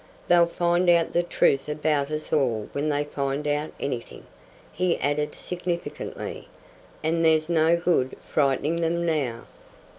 "They'll find out the truth about us all when they find out anything," he added, significantly, "and there's no good frightening them now."